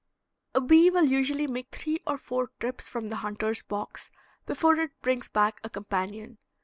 A bee will usually make three or four trips from the hunter's box before it brings back a companion.